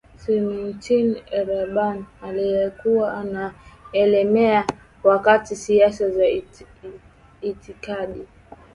Necmettin Erbakan aliyekuwa anaelemea katika siasa za itikadi